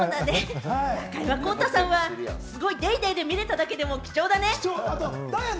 中山功太さんは『ＤａｙＤａｙ．』で見られただけでも貴重だね。